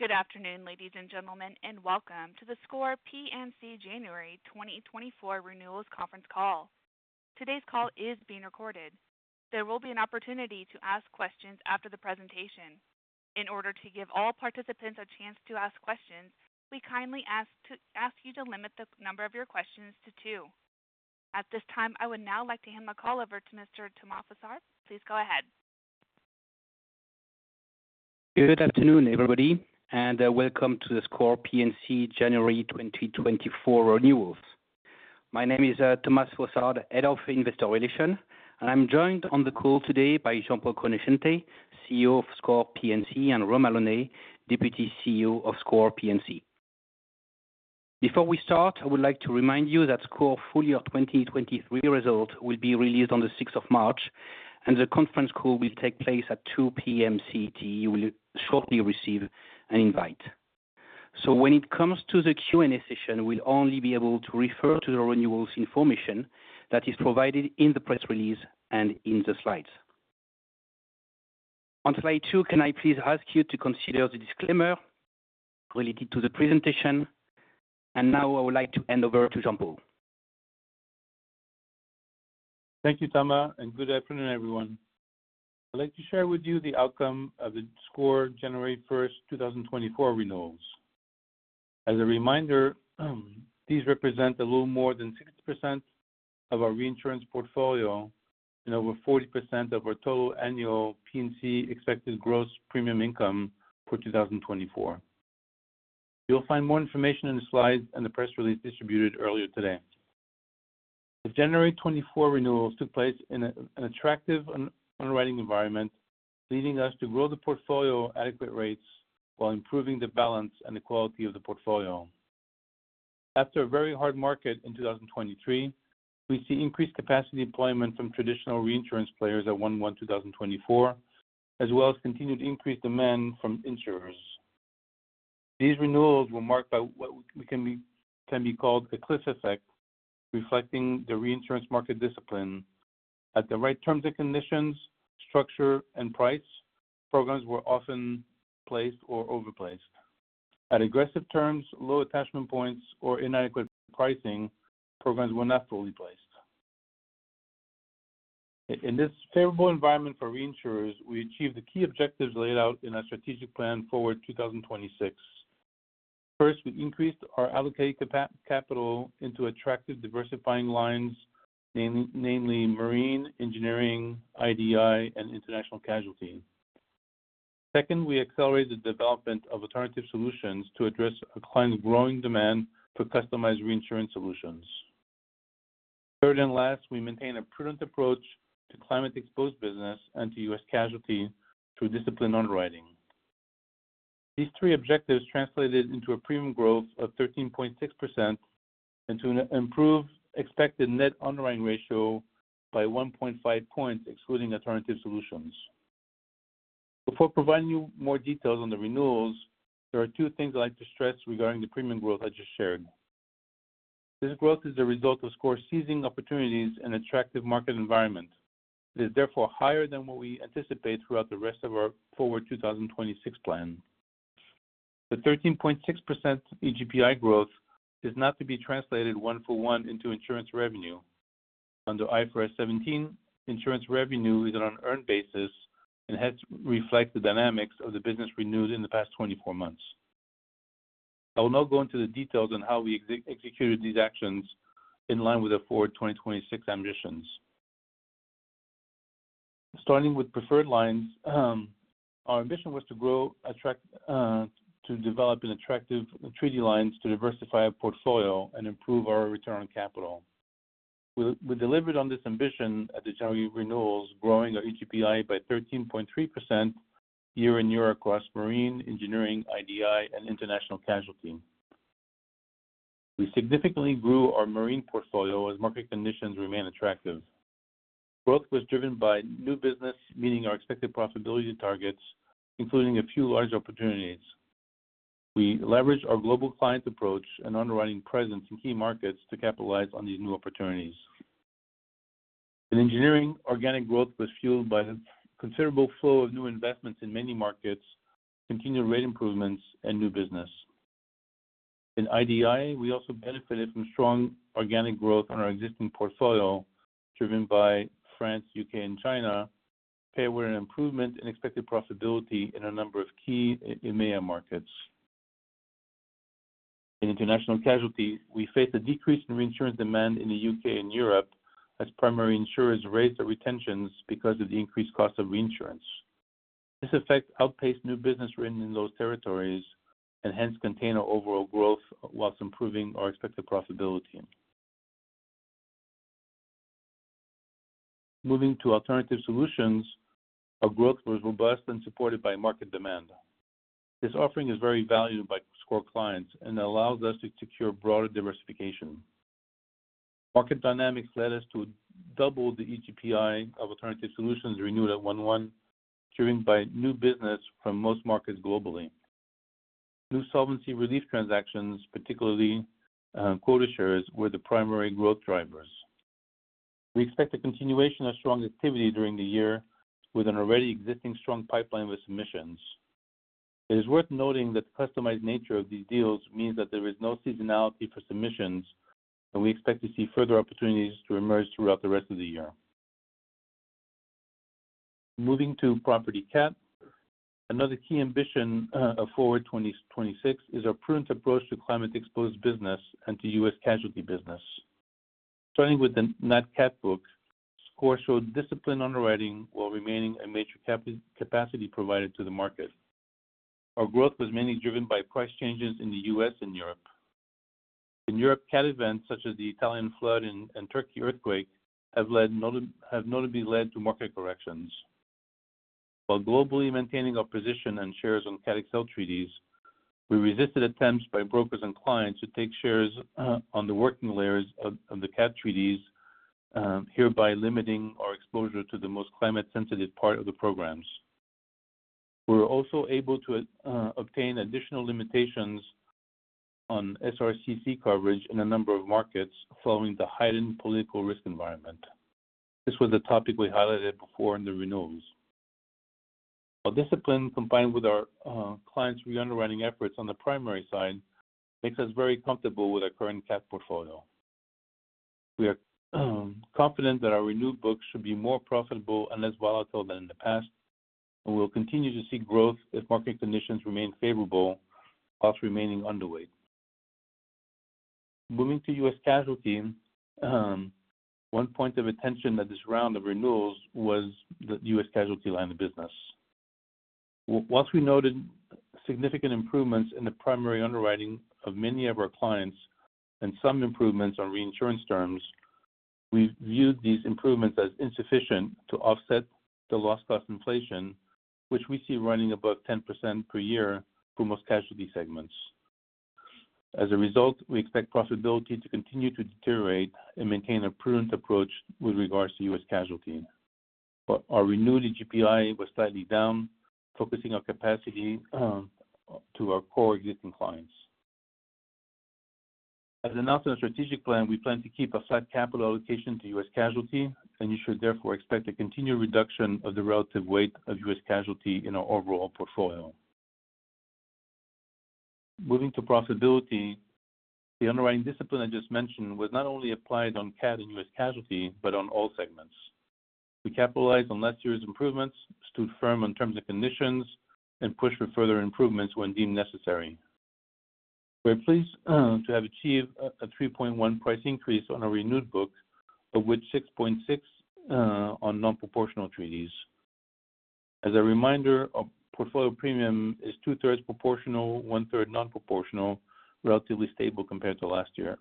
Good afternoon, ladies and gentlemen, and welcome to the SCOR P&C January 2024 renewals conference call. Today's call is being recorded. There will be an opportunity to ask questions after the presentation. In order to give all participants a chance to ask questions, we kindly ask you to limit the number of your questions to two. At this time, I would now like to hand the call over to Mr. Thomas Fossard. Please go ahead. Good afternoon, everybody, and welcome to the SCOR P&C January 2024 Renewals. My name is Thomas Fossard, Head of Investor Relations, and I'm joined on the call today by Jean-Paul Conoscente, CEO of SCOR P&C, and Romain Launay, Deputy CEO of SCOR P&C. Before we start, I would like to remind you that SCOR full year 2023 results will be released on the 6th of March, and the conference call will take place at 2:00 P.M. CET. You will shortly receive an invite. So when it comes to the Q&A session, we'll only be able to refer to the renewals information that is provided in the press release and in the slides. On slide two, can I please ask you to consider the disclaimer related to the presentation, and now I would like to hand over to Jean-Paul. Thank you, Thomas, and good afternoon, everyone. I'd like to share with you the outcome of the SCOR January 1, 2024 renewals. As a reminder, these represent a little more than 60% of our reinsurance portfolio and over 40% of our total annual P&C expected gross premium income for 2024. You'll find more information in the slides and the press release distributed earlier today. The January 2024 renewals took place in an attractive underwriting environment, leading us to grow the portfolio at adequate rates while improving the balance and the quality of the portfolio. After a very hard market in 2023, we see increased capacity deployment from traditional reinsurance players at 1/1 2024, as well as continued increased demand from insurers. These renewals were marked by what can be called a cliff effect, reflecting the reinsurance market discipline. At the right terms and conditions, structure and price, programs were often placed or over placed. At aggressive terms, low attachment points or inadequate pricing, programs were not fully placed. In this favorable environment for reinsurers, we achieved the key objectives laid out in our strategic plan Forward 2026. First, we increased our allocated capital into attractive diversifying lines, namely marine, engineering, IDI, and International Casualty. Second, we accelerated the development of Alternative Solutions to address a client's growing demand for customized reinsurance solutions. Third, and last, we maintain a prudent approach to climate-exposed business and to US Casualty through disciplined underwriting. These three objectives translated into a premium growth of 13.6% and to an improved expected net underwriting ratio by 1.5 points, excluding alternative solutions. Before providing you more details on the renewals, there are two things I'd like to stress regarding the premium growth I just shared. This growth is a result of SCOR seizing opportunities in an attractive market environment. It is therefore higher than what we anticipate throughout the rest of our Forward 2026 plan. The 13.6% EGPI growth is not to be translated one-for-one into insurance revenue. Under IFRS 17, insurance revenue is on an earned basis and hence reflect the dynamics of the business renewed in the past 24 months. I will now go into the details on how we executed these actions in line with our Forward 2026 ambitions. Starting with preferred lines, our ambition was to grow, attract, to develop an attractive treaty lines to diversify our portfolio and improve our return on capital. We delivered on this ambition at the January renewals, growing our EGPI by 13.3% year-on-year across marine, engineering, IDI, and international casualty. We significantly grew our marine portfolio as market conditions remain attractive. Growth was driven by new business, meeting our expected profitability targets, including a few large opportunities. We leveraged our global client approach and underwriting presence in key markets to capitalize on these new opportunities. In engineering, organic growth was fueled by the considerable flow of new investments in many markets, continued rate improvements, and new business. In IDI, we also benefited from strong organic growth on our existing portfolio, driven by France, U.K., and China, paired with an improvement in expected profitability in a number of key EMEA markets. In International Casualty, we faced a decrease in reinsurance demand in the U.K. and Europe as primary insurers raised their retentions because of the increased cost of reinsurance. This effect outpaced new business written in those territories and hence contained our overall growth while improving our expected profitability. Moving to Alternative Solutions, our growth was robust and supported by market demand. This offering is very valued by SCOR clients and allows us to secure broader diversification. Market dynamics led us to double the EGPI of Alternative Solutions renewed at 101, driven by new business from most markets globally. New solvency relief transactions, particularly, quota shares, were the primary growth drivers... We expect a continuation of strong activity during the year with an already existing strong pipeline with submissions. It is worth noting that the customized nature of these deals means that there is no seasonality for submissions, and we expect to see further opportunities to emerge throughout the rest of the year. Moving to Property Cat, another key ambition of Forward 2026 is our prudent approach to climate-exposed business and to US Casualty business. Starting with the net cat book, SCOR showed disciplined underwriting while remaining a major capacity provider to the market. Our growth was mainly driven by price changes in the US and Europe. In Europe, cat events such as the Italian flood and Turkey earthquake have notably led to market corrections. While globally maintaining our position and shares on Cat XL treaties, we resisted attempts by brokers and clients to take shares on the working layers of the cat treaties, hereby limiting our exposure to the most climate-sensitive part of the programs. We were also able to obtain additional limitations on SRCC coverage in a number of markets following the heightened political risk environment. This was a topic we highlighted before in the renewals. Our discipline, combined with our clients' reunderwriting efforts on the primary side, makes us very comfortable with our current cat portfolio. We are confident that our renewed book should be more profitable and less volatile than in the past, and we will continue to see growth if market conditions remain favorable, while remaining underweight. Moving to US Casualty, one point of attention at this round of renewals was the US Casualty line of business. While we noted significant improvements in the primary underwriting of many of our clients and some improvements on reinsurance terms, we viewed these improvements as insufficient to offset the loss cost inflation, which we see running above 10% per year for most casualty segments. As a result, we expect profitability to continue to deteriorate and maintain a prudent approach with regards to US Casualty. But our renewed EGPI was slightly down, focusing our capacity to our core existing clients. As announced in the strategic plan, we plan to keep a flat capital allocation to US Casualty, and you should therefore expect a continued reduction of the relative weight of US Casualty in our overall portfolio. Moving to profitability, the underwriting discipline I just mentioned was not only applied on cat and US.Casualty, but on all segments. We capitalized on last year's improvements, stood firm in terms and conditions, and pushed for further improvements when deemed necessary. We're pleased to have achieved a 3.1 price increase on our renewed book, but with 6.6 on non-proportional treaties. As a reminder, our portfolio premium is two-thirds proportional, one-third non-proportional, relatively stable compared to last year.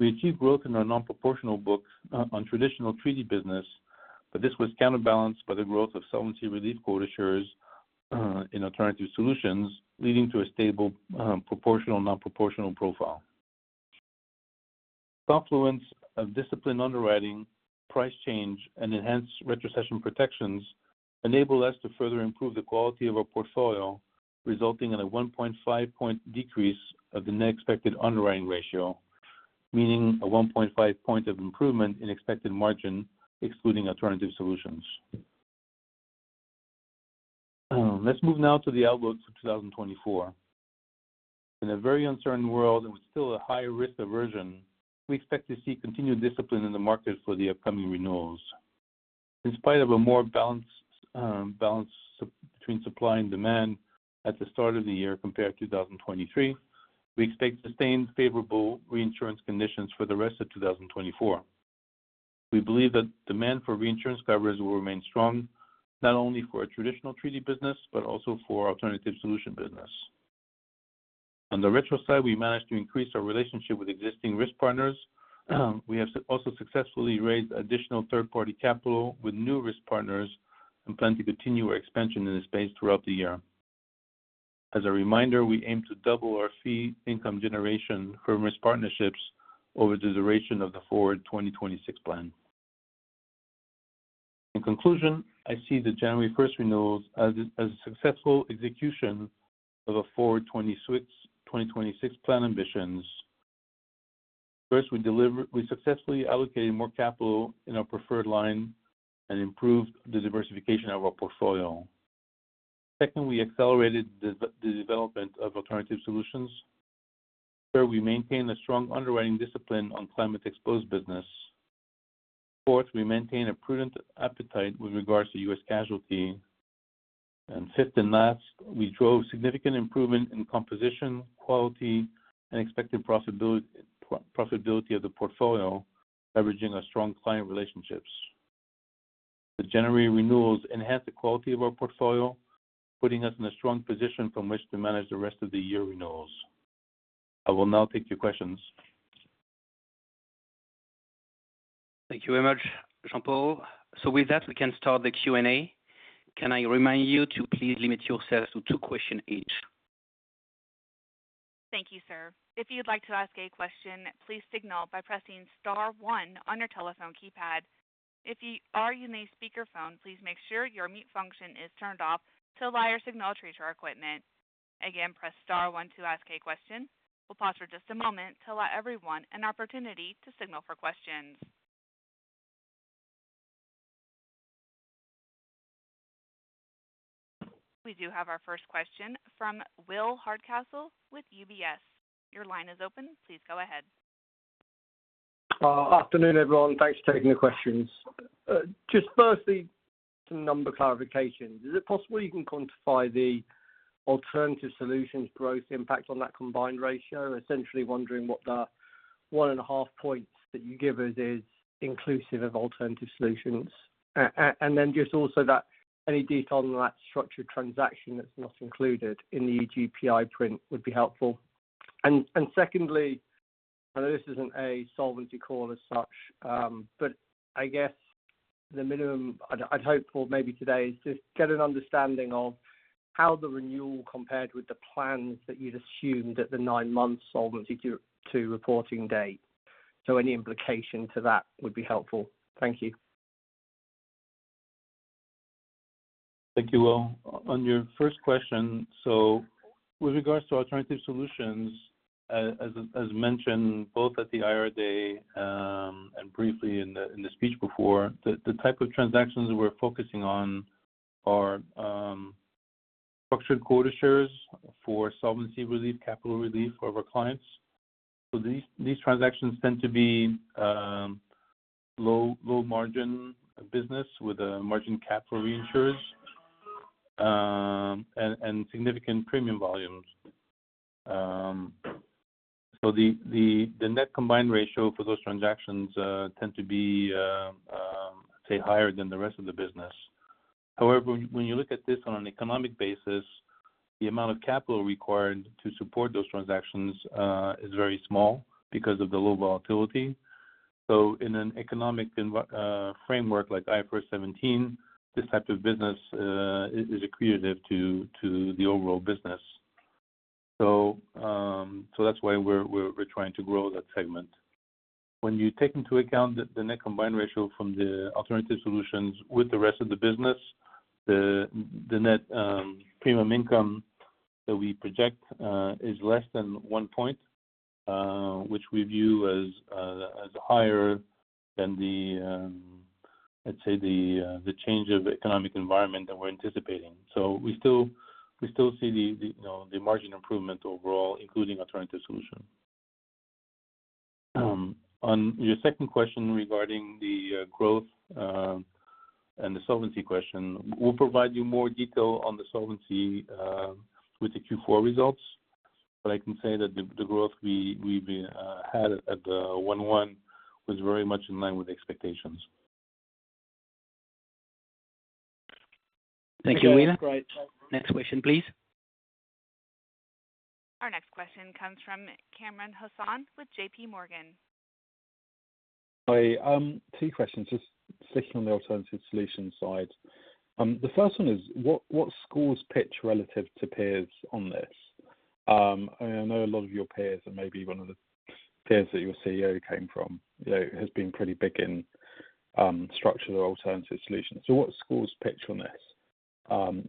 We achieved growth in our non-proportional book on traditional treaty business, but this was counterbalanced by the growth of Solvency Relief quota shares in Alternative Solutions, leading to a stable proportional and non-proportional profile. Confluence of disciplined underwriting, price change, and enhanced retrocession protections enabled us to further improve the quality of our portfolio, resulting in a 1.5-point decrease of the net expected underwriting ratio, meaning a 1.5-point improvement in expected margin, excluding alternative solutions. Let's move now to the outlook for 2024. In a very uncertain world and with still a high risk aversion, we expect to see continued discipline in the market for the upcoming renewals. In spite of a more balanced, balance between supply and demand at the start of the year compared to 2023, we expect sustained favorable reinsurance conditions for the rest of 2024. We believe that demand for reinsurance coverage will remain strong, not only for our traditional treaty business, but also for our alternative solution business. On the retro side, we managed to increase our relationship with existing risk partners. We have also successfully raised additional third-party capital with new risk partners and plan to continue our expansion in this space throughout the year. As a reminder, we aim to double our fee income generation from risk partnerships over the duration of the Forward 2026 plan. In conclusion, I see the January 1st renewals as a successful execution of a Forward 2026 plan ambitions. First, we successfully allocated more capital in our preferred line and improved the diversification of our portfolio. Secondly, we accelerated the development of alternative solutions. Third, we maintained a strong underwriting discipline on climate-exposed business. Fourth, we maintained a prudent appetite with regards to US Casualty. Fifth and last, we drove significant improvement in composition, quality, and expected profitability, profitability of the portfolio, leveraging our strong client relationships. The January renewals enhanced the quality of our portfolio, putting us in a strong position from which to manage the rest of the year renewals. I will now take your questions. Thank you very much, Jean-Paul. With that, we can start the Q&A. Can I remind you to please limit yourselves to two questions each? Thank you, sir. If you'd like to ask a question, please signal by pressing star one on your telephone keypad. If you are in a speakerphone, please make sure your mute function is turned off to avoid interference to our equipment. Again, press star one to ask a question. We'll pause for just a moment to allow everyone an opportunity to signal for questions. We do have our first question from Will Hardcastle with UBS. Your line is open. Please go ahead. Afternoon, everyone. Thanks for taking the questions. Just firstly, some number clarifications. Is it possible you can quantify the alternative solutions growth impact on that combined ratio? Essentially wondering what the 1.5 points that you give us is inclusive of alternative solutions. And then just also that any detail on that structured transaction that's not included in the EGPI print would be helpful. And secondly, I know this isn't a solvency call as such, but I guess the minimum I'd hope for maybe today is just get an understanding of how the renewal compared with the plans that you'd assumed at the nine-month solvency Q2 reporting date. So any implication to that would be helpful. Thank you. Thank you, Will. On your first question, so with regards to alternative solutions, as mentioned both at the IR day and briefly in the speech before, the type of transactions we're focusing on are structured quota shares for solvency relief, capital relief for our clients. So these transactions tend to be low margin business with a margin capital reinsurers and significant premium volumes. So the net combined ratio for those transactions tend to be, say, higher than the rest of the business. However, when you look at this on an economic basis, the amount of capital required to support those transactions is very small because of the low volatility. So in an economic environment framework like IFRS 17, this type of business is accretive to the overall business. So that's why we're trying to grow that segment. When you take into account the net combined ratio from the Alternative Solutions with the rest of the business, the net premium income that we project is less than 1 point, which we view as higher than the, let's say, the change of economic environment that we're anticipating. So we still see the, you know, the margin improvement overall, including alternative solution. On your second question regarding the growth and the solvency question, we'll provide you more detail on the solvency with the Q4 results. I can say that the growth we've had at the 1/1 was very much in line with expectations. Thank you, Will. Next question, please. Our next question comes from Kamran Hossain with JPMorgan. Hi. Two questions, just sticking on the alternative solution side. The first one is, what SCOR's pitch relative to peers on this? I know a lot of your peers, and maybe one of the peers that your CEO came from, you know, has been pretty big in structural alternative solutions. So what SCOR's pitch on this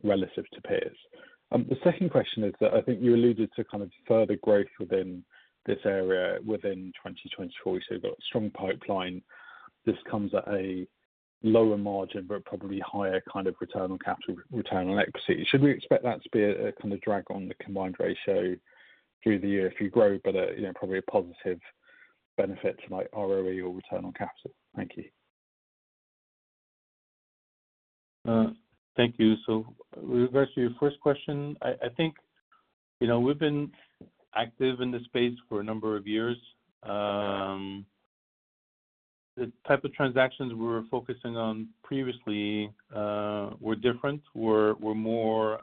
relative to peers? The second question is that I think you alluded to kind of further growth within this area within 2024. We see a strong pipeline. This comes at a lower margin, but probably higher kind of return on capital, return on equity. Should we expect that to be a kind of drag on the combined ratio through the year if you grow, but you know, probably a positive benefit to like ROE or return on capital? Thank you. Thank you. So with regards to your first question, I think, you know, we've been active in this space for a number of years. The type of transactions we were focusing on previously were different, were more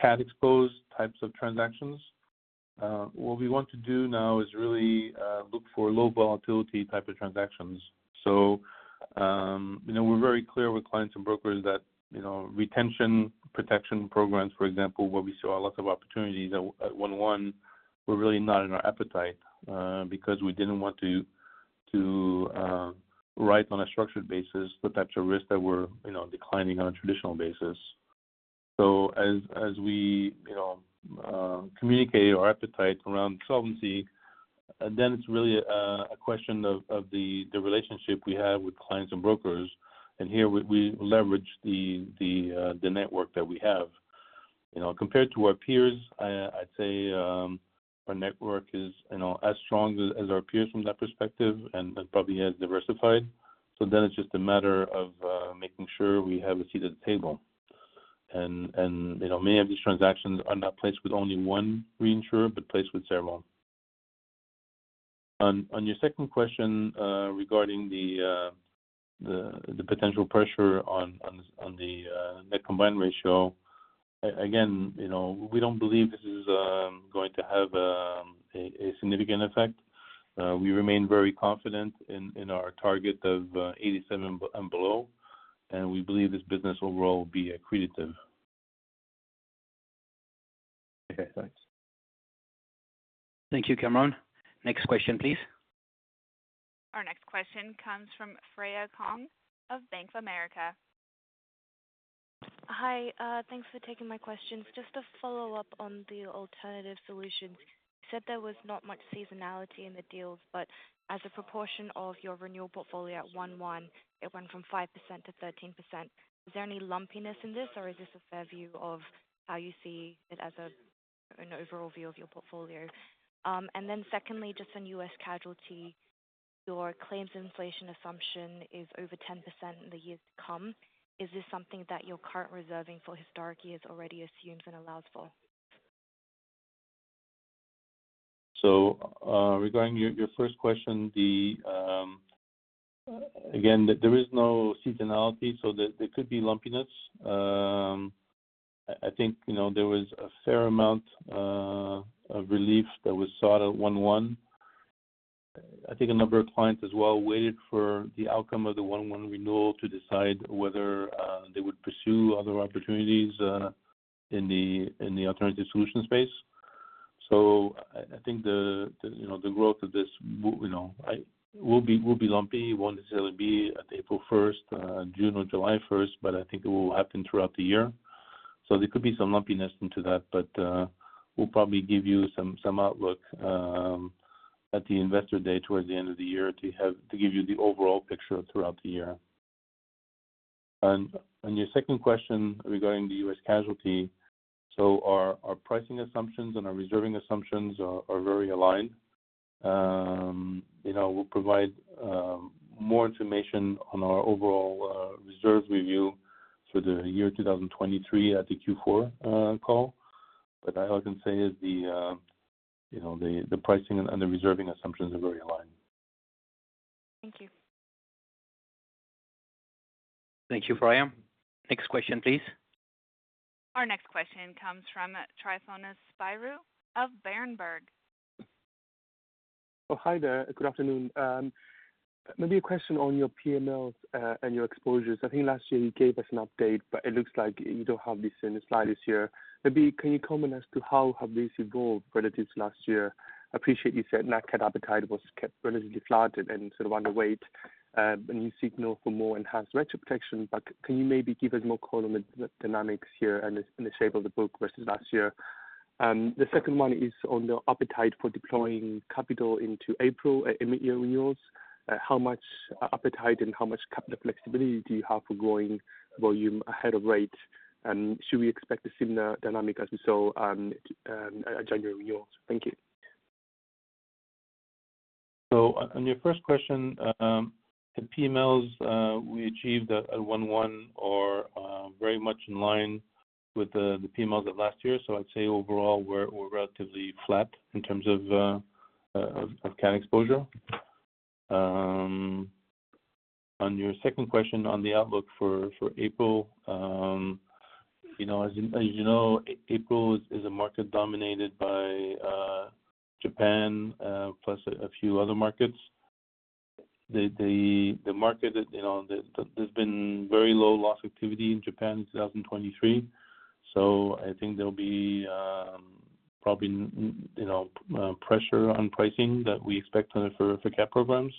cat exposed types of transactions. What we want to do now is really look for low volatility type of transactions. So, you know, we're very clear with clients and brokers that, you know, retention protection programs, for example, where we saw a lot of opportunities at 1/1, were really not in our appetite, because we didn't want to write on a structured basis, the types of risks that were, you know, declining on a traditional basis. So as we, you know, communicate our appetite around solvency, then it's really a question of the relationship we have with clients and brokers, and here we leverage the network that we have. You know, compared to our peers, I'd say our network is, you know, as strong as our peers from that perspective and probably as diversified. So then it's just a matter of making sure we have a seat at the table. And you know, many of these transactions are not placed with only one reinsurer, but placed with several. On your second question, regarding the potential pressure on the net combined ratio. Again, you know, we don't believe this is going to have a significant effect. We remain very confident in our target of 87 below, and we believe this business overall will be accretive... Okay, thanks. Thank you, Kamran. Next question, please. Our next question comes from Freya Kong of Bank of America. Hi, thanks for taking my questions. Just a follow-up on the alternative solution. You said there was not much seasonality in the deals, but as a proportion of your renewal portfolio at 1/1, it went from 5%-13%. Is there any lumpiness in this, or is this a fair view of how you see it as a, an overall view of your portfolio? And then secondly, just on US Casualty, your claims inflation assumption is over 10% in the years to come. Is this something that your current reserving for historic years already assumes and allows for? So, regarding your first question, again, there is no seasonality, so there could be lumpiness. I think, you know, there was a fair amount of relief that was sought at one-one. I think a number of clients as well waited for the outcome of the one-one renewal to decide whether they would pursue other opportunities in the alternative solution space. So I think the, you know, the growth of this will be lumpy, won't necessarily be at April first, June or July first, but I think it will happen throughout the year. So there could be some lumpiness into that, but we'll probably give you some outlook at the investor day towards the end of the year to have to give you the overall picture throughout the year. And on your second question regarding the US Casualty, so our pricing assumptions and our reserving assumptions are very aligned. You know, we'll provide more information on our overall reserve review for the year 2023 at the Q4 call, but all I can say is you know, the pricing and the reserving assumptions are very aligned. Thank you. Thank you, Freya. Next question, please. Our next question comes from Tryfon Spyrou of Berenberg. Oh, hi there. Good afternoon. Maybe a question on your PMLs and your exposures. I think last year you gave us an update, but it looks like you don't have this in the slide this year. Maybe can you comment as to how have this evolved relative to last year? I appreciate you said net cat appetite was kept relatively flat and sort of underweight, and you signal for more enhanced retro protection, but can you maybe give us more color on the dynamics here and the shape of the book versus last year? The second one is on the appetite for deploying capital into April at mid-year renewals. How much appetite and how much flexibility do you have for growing volume ahead of rate? And should we expect a similar dynamic as we saw on January renewals? Thank you. So on your first question, the PMLs we achieved at 1-1 are very much in line with the PMLs of last year. So I'd say overall, we're relatively flat in terms of cat exposure. On your second question on the outlook for April, you know, as you know, April is a market dominated by Japan plus a few other markets. The market, you know, there's been very low loss activity in Japan in 2023, so I think there'll be probably, you know, pressure on pricing that we expect on it for cat programs.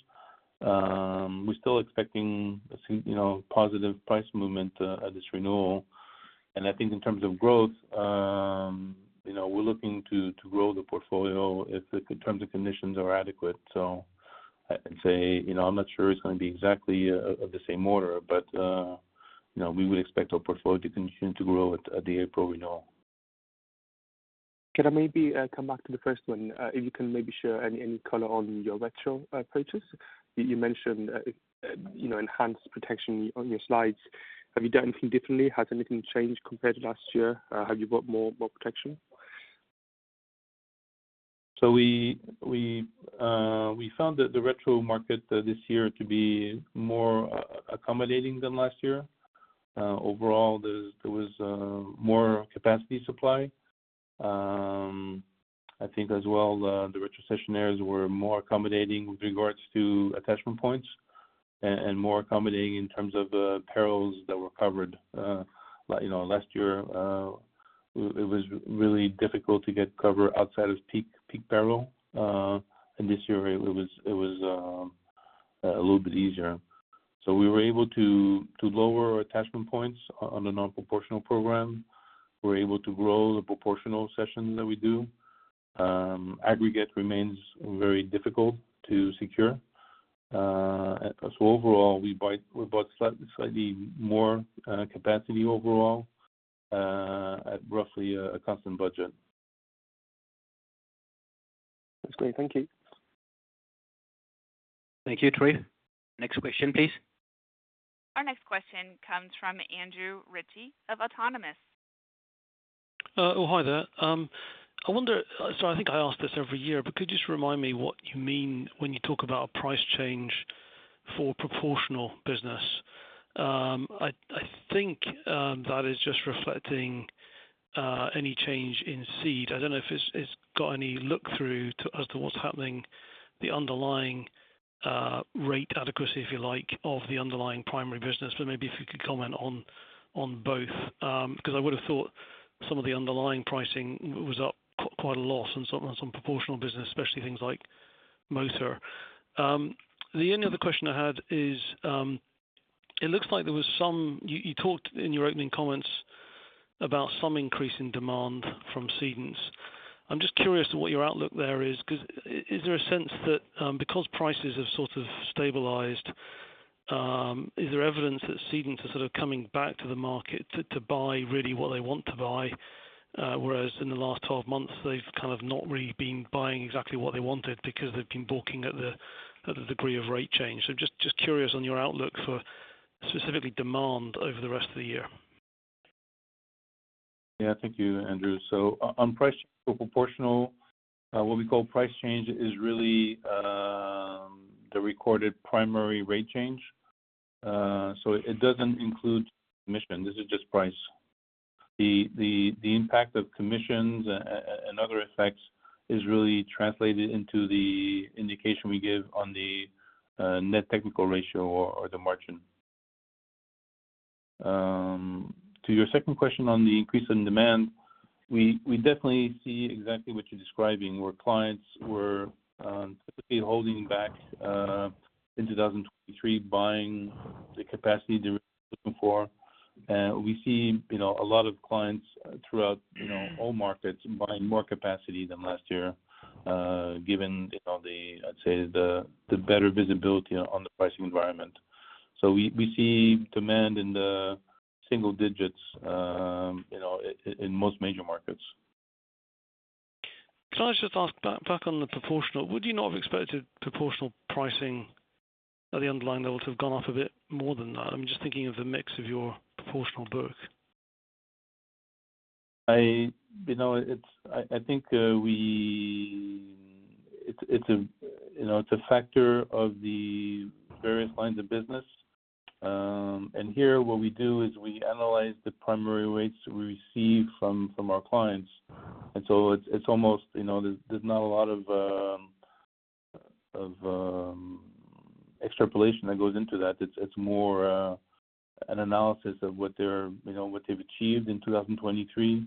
We're still expecting a similar, you know, positive price movement at this renewal. I think in terms of growth, you know, we're looking to grow the portfolio if the terms and conditions are adequate. So I'd say, you know, I'm not sure it's going to be exactly of the same order, but, you know, we would expect our portfolio to continue to grow at the April renewal. Can I maybe come back to the first one? If you can maybe share any, any color on your retro purchase. You, you mentioned you know, enhanced protection on your slides. Have you done anything differently? Has anything changed compared to last year? Have you got more, more protection? So we found that the retro market this year to be more accommodating than last year. Overall, there was more capacity supply. I think as well, the retrocessionaires were more accommodating with regards to attachment points and more accommodating in terms of the perils that were covered. Like, you know, last year, it was really difficult to get cover outside of peak peril, and this year it was a little bit easier. So we were able to lower our attachment points on a non-proportional program. We're able to grow the proportional cession that we do. Aggregate remains very difficult to secure. So overall, we bought slightly more capacity overall at roughly a constant budget. That's great. Thank you. Thank you, Tryfon. Next question, please. Our next question comes from Andrew Ritchie of Autonomous. Oh, hi there. I wonder, so I think I ask this every year, but could you just remind me what you mean when you talk about a price change for proportional business? I think that is just reflecting any change in ceded. I don't know if it's got any look through to what's happening, the underlying rate adequacy, if you like, of the underlying primary business. But maybe if you could comment on both. Because I would have thought some of the underlying pricing was up quite a lot and some proportional business, especially things like motor. The only other question I had is, it looks like there was some—you talked in your opening comments about some increase in demand from cedents. I'm just curious to what your outlook there is, 'cause is there a sense that, because prices have sort of stabilized, is there evidence that cedents are sort of coming back to the market to buy really what they want to buy? Whereas in the last 12 months, they've kind of not really been buying exactly what they wanted because they've been balking at the degree of rate change. So just curious on your outlook for specifically demand over the rest of the year. Yeah, thank you, Andrew. So on price for proportional, what we call price change is really the recorded primary rate change. So it doesn't include commission. This is just price. The impact of commissions and other effects is really translated into the indication we give on the net technical ratio or the margin. To your second question on the increase in demand, we definitely see exactly what you're describing, where clients were typically holding back in 2023, buying the capacity they were looking for. And we see, you know, a lot of clients throughout, you know, all markets buying more capacity than last year, given, you know, the, I'd say, the better visibility on the pricing environment. So we see demand in the single digits, you know, in most major markets. Can I just ask back, back on the proportional? Would you not have expected proportional pricing at the underlying level to have gone off a bit more than that? I'm just thinking of the mix of your proportional book. You know, it's a factor of the various lines of business. And here what we do is we analyze the primary rates we receive from our clients. And so it's almost, you know, there's not a lot of extrapolation that goes into that. It's more an analysis of what they've achieved in 2023,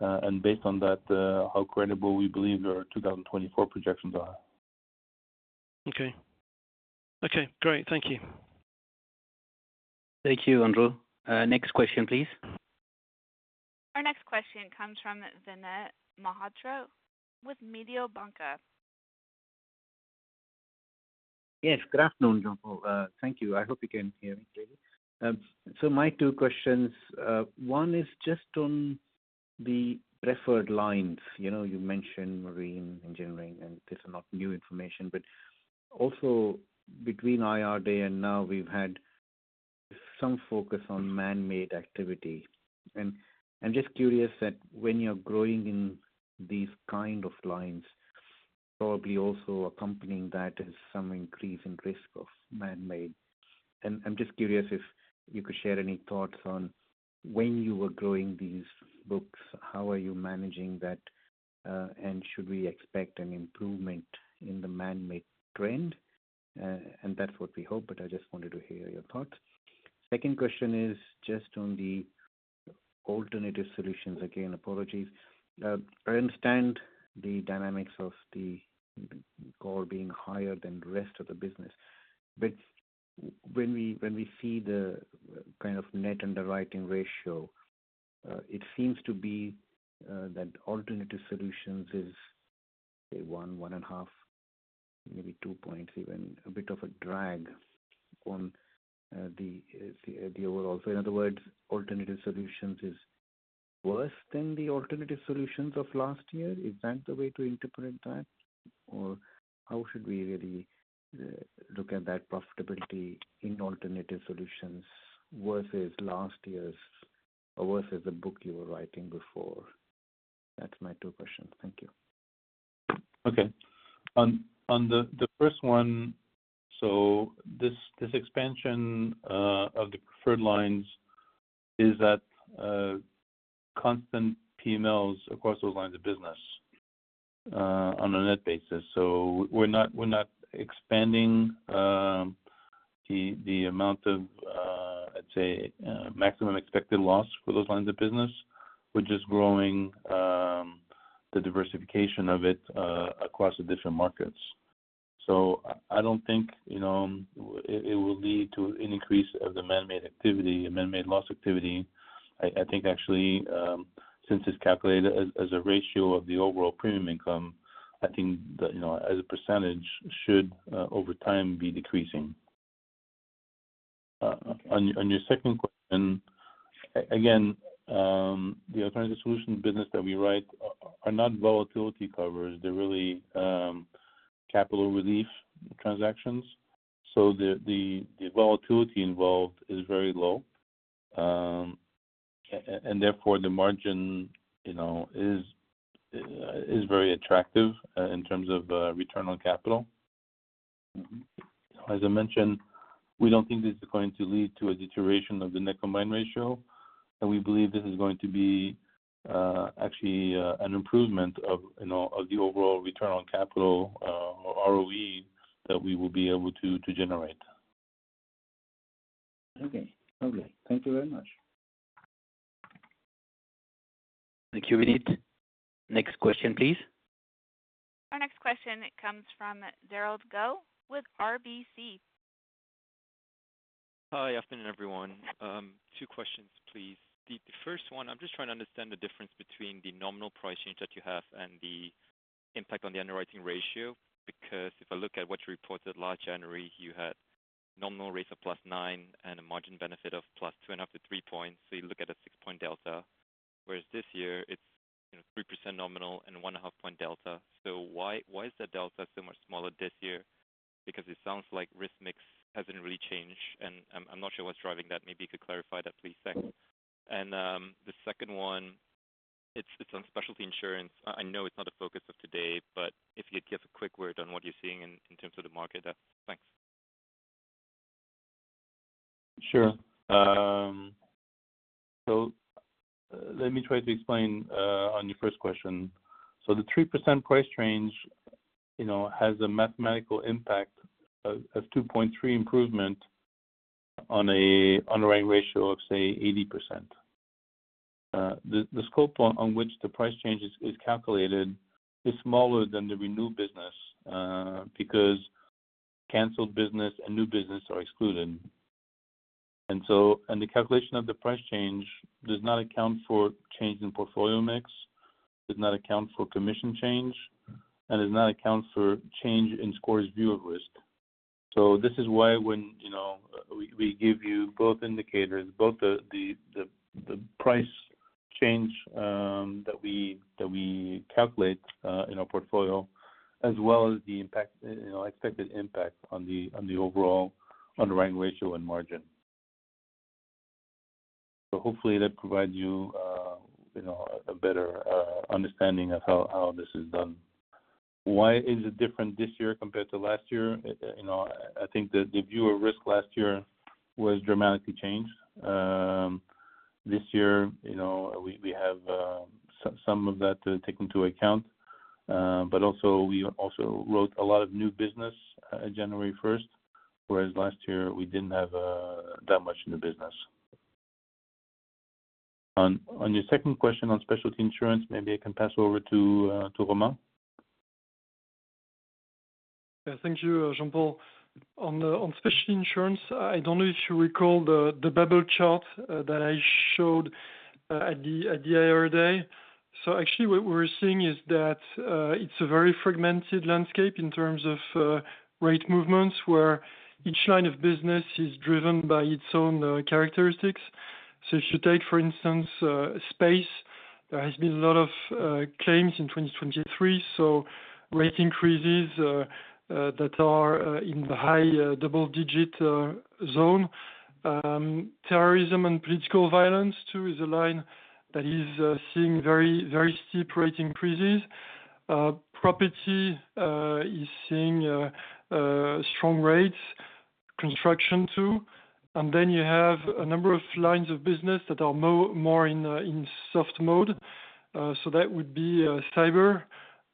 and based on that, how credible we believe their 2024 projections are. Okay. Okay, great. Thank you. Thank you, Andrew. Next question, please. Our next question comes from Vinit Malhotra with Mediobanca. Yes, good afternoon, João. Thank you. I hope you can hear me clearly. So my two questions, one is just on the preferred lines. You know, you mentioned marine engineering, and this is not new information, but also between IR day and now, we've had some focus on man-made activity. And I'm just curious that when you're growing in these kind of lines, probably also accompanying that is some increase in risk of man-made. And I'm just curious if you could share any thoughts on when you were growing these books, how are you managing that? And should we expect an improvement in the man-made trend? And that's what we hope, but I just wanted to hear your thoughts. Second question is just on the alternative solutions. Again, apologies. I understand the dynamics of the core being higher than the rest of the business, but when we, when we see the kind of net underwriting ratio, it seems to be that Alternative Solutions is, say, 1, 1.5, maybe 2 points, even a bit of a drag on the overall. So in other words, Alternative Solutions is worse than the Alternative Solutions of last year. Is that the way to interpret that? Or how should we really look at that profitability in Alternative Solutions versus last year's, or versus the book you were writing before? That's my 2 questions. Thank you. Okay. On the first one, so this expansion of the preferred lines is at constant PMLs across those lines of business on a net basis. So we're not expanding the amount of I'd say maximum expected loss for those lines of business. We're just growing the diversification of it across the different markets. So I don't think, you know, it will lead to an increase of the man-made activity, man-made loss activity. I think actually since it's calculated as a ratio of the overall premium income, I think that, you know, as a percentage should over time be decreasing. On your second question, again, the alternative solution business that we write are not volatility covers. They're really capital relief transactions. So the volatility involved is very low, and therefore, the margin, you know, is very attractive, in terms of, return on capital. As I mentioned, we don't think this is going to lead to a deterioration of the net combined ratio, and we believe this is going to be actually an improvement of, you know, of the overall return on capital, or ROE that we will be able to generate. Okay. Okay, thank you very much. ... Thank you, Vinit. Next question, please. Our next question comes from Derald Goh with RBC. Hi, afternoon, everyone. Two questions, please. The first one, I'm just trying to understand the difference between the nominal price change that you have and the impact on the underwriting ratio. Because if I look at what you reported last January, you had nominal rates of +9 and a margin benefit of +2.5-3 points, so you look at a 6-point delta, whereas this year it's 3% nominal and 1.5-point delta. So why is that delta so much smaller this year? Because it sounds like risk mix hasn't really changed, and I'm not sure what's driving that. Maybe you could clarify that, please. Thanks. And the second one, it's on specialty insurance.I know it's not the focus of today, but if you'd give a quick word on what you're seeing in terms of the market? Thanks. Sure. So let me try to explain on your first question. So the 3% price change, you know, has a mathematical impact of 2.3 improvement on an underwriting ratio of, say, 80%. The scope on which the price change is calculated is smaller than the renewed business, because canceled business and new business are excluded. And the calculation of the price change does not account for change in portfolio mix, does not account for commission change, and does not account for change in SCOR's view of risk. So this is why when, you know, we give you both indicators, both the price change that we calculate in our portfolio, as well as the impact, you know, expected impact on the overall underwriting ratio and margin. So hopefully that provides you, you know, a better understanding of how this is done. Why is it different this year compared to last year? You know, I think the view of risk last year was dramatically changed. This year, you know, we have some of that taken into account, but also, we also wrote a lot of new business, January first, whereas last year we didn't have that much new business. On your second question on specialty insurance, maybe I can pass over to Romain. Yeah. Thank you, Jean-Paul. On specialty insurance, I don't know if you recall the bubble chart that I showed at the IR Day. So actually, what we're seeing is that, it's a very fragmented landscape in terms of, rate movements, where each line of business is driven by its own, characteristics. So if you take, for instance, space, there has been a lot of, claims in 2023, so rate increases, that are, in the high double-digit zone. Terrorism and political violence, too, is a line that is, seeing very, very steep rate increases. Property, is seeing, strong rates. Construction, too. And then you have a number of lines of business that are more in, soft mode. So that would be cyber,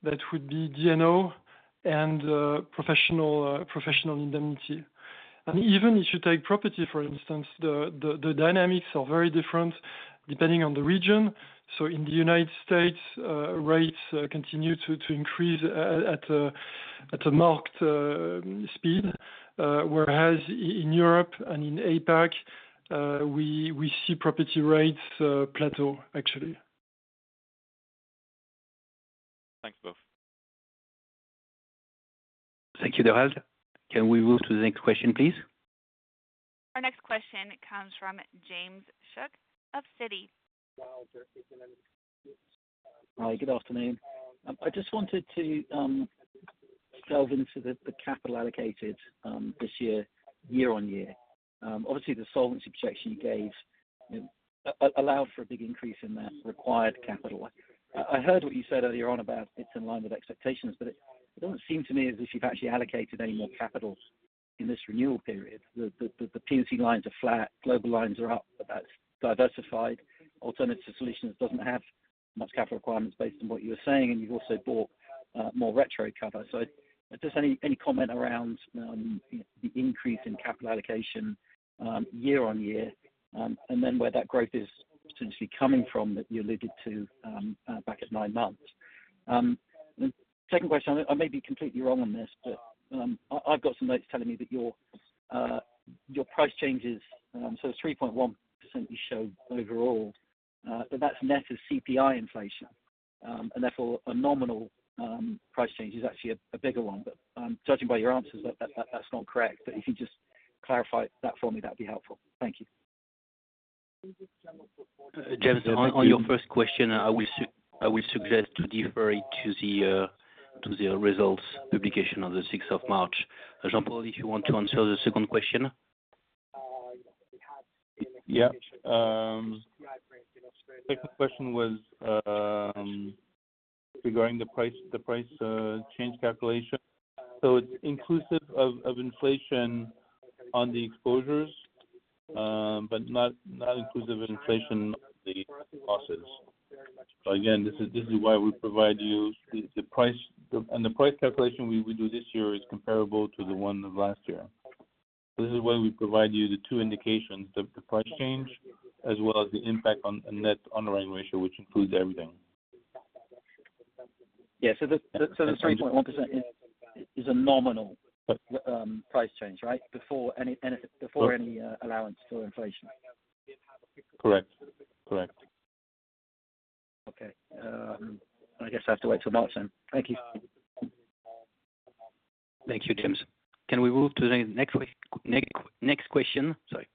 that would be D&O and professional indemnity. And even if you take property, for instance, the dynamics are very different depending on the region. So in the United States, rates continue to increase at a marked speed. Whereas in Europe and in APAC, we see property rates plateau actually. Thanks, both. Thank you, Derald. Can we move to the next question, please? Our next question comes from James Shuck of Citi. Hi, good afternoon. I just wanted to delve into the capital allocated this year, year on year. Obviously, the solvency projection you gave allowed for a big increase in that required capital. I heard what you said earlier on about it's in line with expectations, but it doesn't seem to me as if you've actually allocated any more capital in this renewal period. The P&C lines are flat, global lines are up, but that's diversified. Alternative Solutions doesn't have much capital requirements based on what you were saying, and you've also bought more retro cover. So just any comment around the increase in capital allocation year on year, and then where that growth is essentially coming from, that you alluded to back at nine months. The second question, I may be completely wrong on this, but I've got some notes telling me that your price changes, so it's 3.1% you showed overall, but that's net of CPI inflation, and therefore a nominal price change is actually a bigger one. But judging by your answers, that's not correct. But if you just clarify that for me, that'd be helpful. Thank you. James, on your first question, I will suggest to defer it to the results publication on the sixth of March. Jean-Paul, if you want to answer the second question? Yeah. The second question was regarding the price, the price, change calculation. So it's inclusive of, of inflation on the exposures, but not, not inclusive of inflation on the losses. So again, this is, this is why we provide you the, the price... And the price calculation we, we do this year is comparable to the one of last year.... This is why we provide you the two indications, the, the price change as well as the impact on net underwriting ratio, which includes everything. Yeah. So the 3.1% is a nominal- Yep. price change, right? Before any allowance for inflation. Correct. Correct. Okay, I guess I have to wait till March then. Thank you. Thank you, James. Can we move to the next question? Sorry.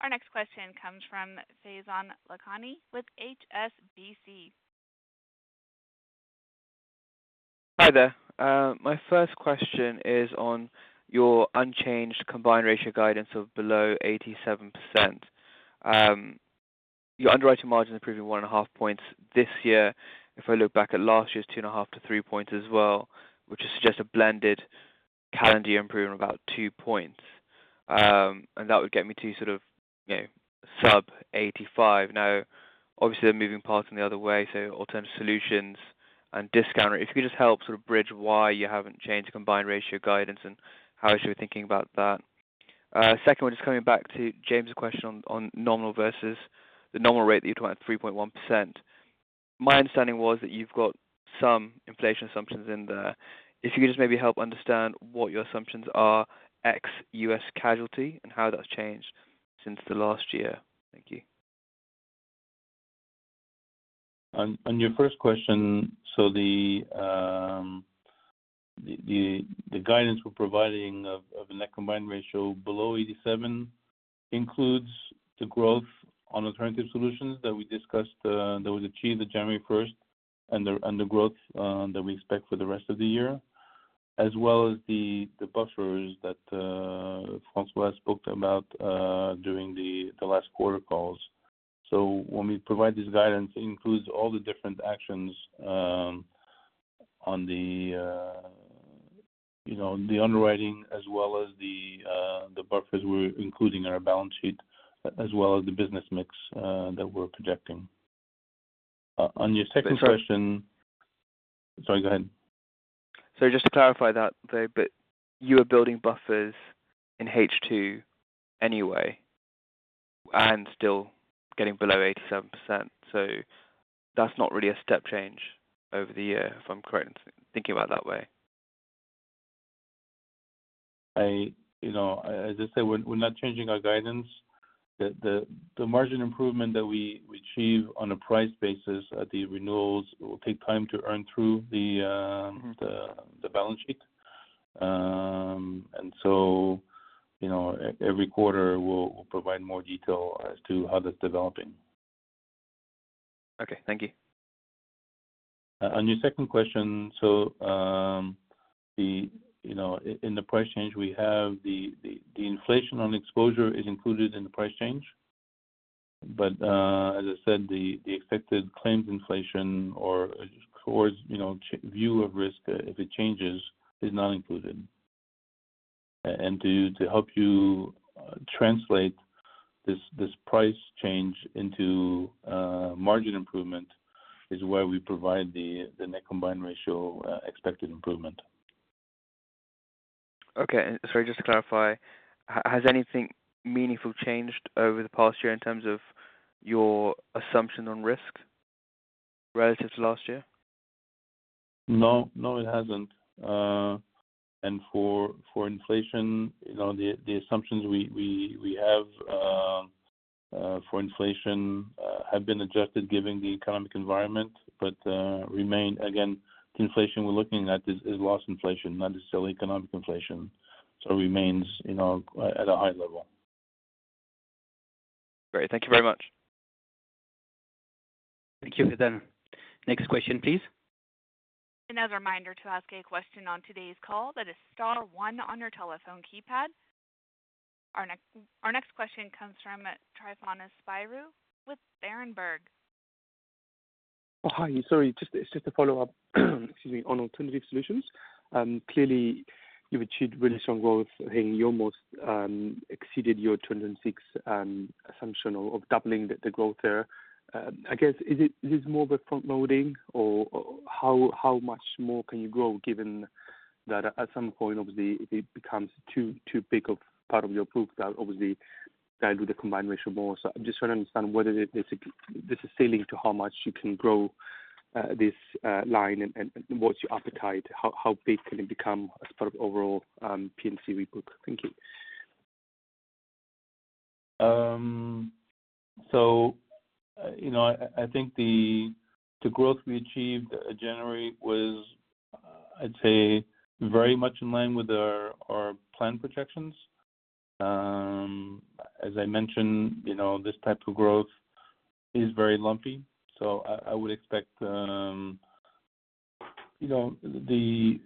Our next question comes from Faizan Lakhani with HSBC. Hi there. My first question is on your unchanged combined ratio guidance of below 87%. Your underwriting margin improved 1.5 points this year. If I look back at last year's 2.5-3 points as well, which is just a blended calendar year improvement of about 2 points. And that would get me to sort of, you know, sub 85. Now, obviously, they're moving parts in the other way, so alternative solutions and discount. If you could just help sort of bridge why you haven't changed the combined ratio guidance and how I should be thinking about that. Second one, just coming back to James' question on, on nominal versus the nominal rate that you talked, 3.1%. My understanding was that you've got some inflation assumptions in there. If you could just maybe help understand what your assumptions are, ex-U.S. casualty, and how that's changed since the last year? Thank you. On your first question, so the guidance we're providing of a net combined ratio below 87 includes the growth on alternative solutions that we discussed, that was achieved at January first, and the growth that we expect for the rest of the year, as well as the buffers that François spoke about during the last quarter calls. So when we provide this guidance, it includes all the different actions on the, you know, the underwriting, as well as the buffers we're including in our balance sheet, as well as the business mix that we're projecting. On your second question... Sorry, go ahead. Just to clarify that, though, but you are building buffers in H2 anyway, and still getting below 87%, so that's not really a step change over the year, if I'm correct in thinking about it that way. You know, as I said, we're not changing our guidance. The margin improvement that we achieve on a price basis at the renewals will take time to earn through the Mm-hmm. The balance sheet. And so, you know, every quarter, we'll provide more detail as to how that's developing. Okay, thank you. On your second question, you know, in the price change we have the inflation on exposure is included in the price change. As I said, the expected claims inflation or, you know, view of risk, if it changes, is not included. To help you translate this price change into margin improvement is where we provide the net combined ratio expected improvement. Okay, sorry, just to clarify, has anything meaningful changed over the past year in terms of your assumption on risk relative to last year? No. No, it hasn't. And for inflation, you know, the assumptions we have for inflation have been adjusted given the economic environment, but remain again, the inflation we're looking at is loss inflation, not necessarily economic inflation. So it remains, you know, at a high level. Great. Thank you very much. Thank you. Next question, please. Another reminder to ask a question on today's call, that is star one on your telephone keypad. Our next question comes from Tryfon Spyrou with Berenberg. Oh, hi. Sorry, it's just a follow-up, excuse me, on alternative solutions. Clearly, you've achieved really strong growth. I think you almost exceeded your 2026 assumption of doubling the growth there. I guess, is it this is more of a front loading or how much more can you grow, given that at some point, obviously, it becomes too big of part of your book that obviously that do the combined ratio more? So I just want to understand whether this is ceiling to how much you can grow this line and what's your appetite, how big can it become as part of overall P&C book? Thank you. So, you know, I think the growth we achieved at January was, I'd say, very much in line with our planned projections. As I mentioned, you know, this type of growth is very lumpy, so I would expect, you know, the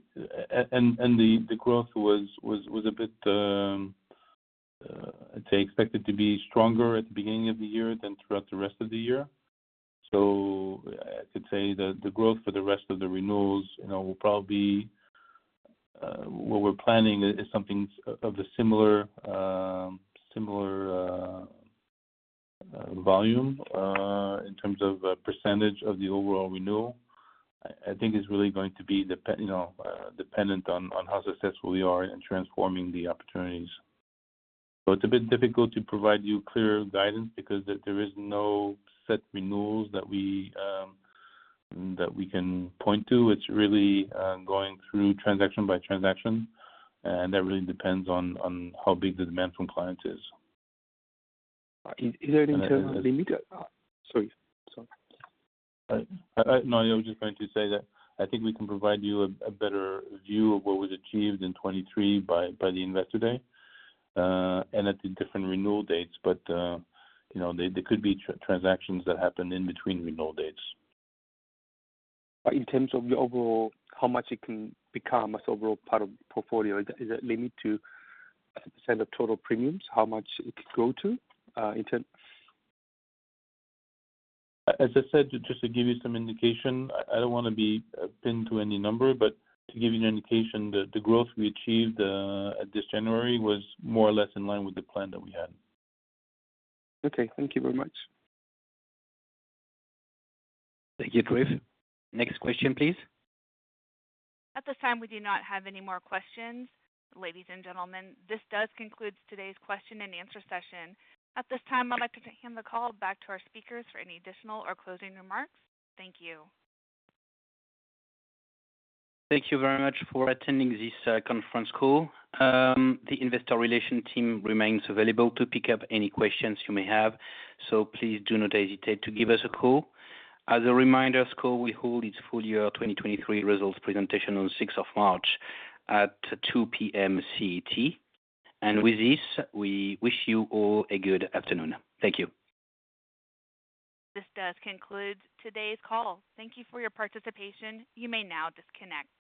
growth was a bit, I'd say, expected to be stronger at the beginning of the year than throughout the rest of the year. So I could say that the growth for the rest of the renewals, you know, will probably be what we're planning is something of the similar volume in terms of percentage of the overall renewal. I think it's really going to be dependent on how successful we are in transforming the opportunities. So it's a bit difficult to provide you clear guidance because there is no set renewals that we, that we can point to. It's really going through transaction by transaction, and that really depends on how big the demand from clients is. Is that in terms of the limit? Sorry. Sorry. No, I was just going to say that I think we can provide you a better view of what was achieved in 2023 by the Investor Day, and at the different renewal dates. But, you know, there could be transactions that happen in between renewal dates. In terms of the overall, how much it can become as overall part of the portfolio, is that limited to percent of total premiums, how much it could grow to, in term- As I said, just to give you some indication, I don't want to be pinned to any number, but to give you an indication, the growth we achieved at this January was more or less in line with the plan that we had. Okay. Thank you very much. Thank you, Tryfon. Next question, please. At this time, we do not have any more questions. Ladies and gentlemen, this does conclude today's question and answer session. At this time, I'd like to hand the call back to our speakers for any additional or closing remarks. Thank you. Thank you very much for attending this conference call. The Investor Relations team remains available to pick up any questions you may have, so please do not hesitate to give us a call. As a reminder, SCOR will hold its full year 2023 results presentation on sixth of March at 2 P.M. CT. And with this, we wish you all a good afternoon. Thank you. This does conclude today's call. Thank you for your participation. You may now disconnect.